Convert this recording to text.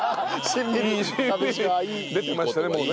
しんみり出てましたねもうね。